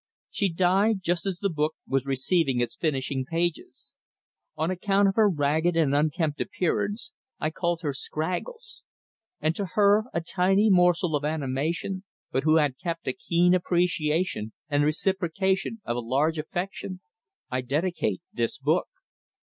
She died just as the book was receiving its finishing pages. On account of her ragged and unkempt appearance I called her Scraggles; and to her, a tiny morsel of animation, but who had a keen appreciation and reciprocation of a large affection, I dedicate this book.